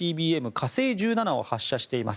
火星１７を発射しています。